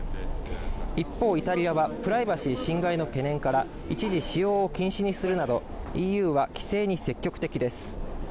一方イタリアはプライバシー侵害の懸念から一時使用を禁止にするなど、ＥＵは規制に積極的です。